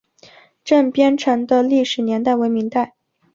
镇边城的历史年代为明代。